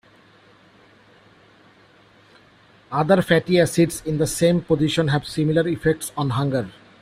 Other fatty acids in the same position have similar effects on hunger.